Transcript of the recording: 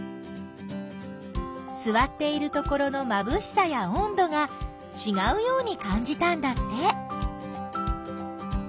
すわっているところのまぶしさやおんどがちがうようにかんじたんだって。